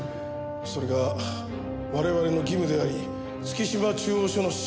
それが我々の義務であり月島中央署の信念です。